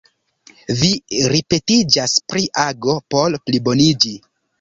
Vi ripetiĝas pri ago por pliboniĝi.